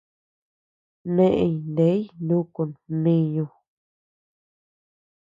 Neʼey ney nukun mniñu.